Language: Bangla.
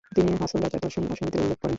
তিনি হাছন রাজার দর্শন ও সঙ্গীতের উল্লেখ করেন।